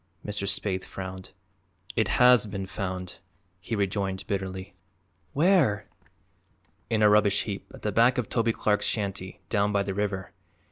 Mr. Spaythe frowned. "It has been found," he rejoined bitterly. "Where?" "In a rubbish heap at the back of Toby Clark's shanty, down by the river.